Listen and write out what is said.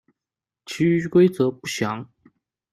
其余规则不详。